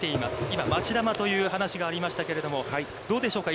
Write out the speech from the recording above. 今待ち球という話がありましたけれども、どうでしょうか。